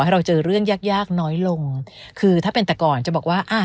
เราเจอเรื่องยากยากน้อยลงคือถ้าเป็นแต่ก่อนจะบอกว่าอ่ะ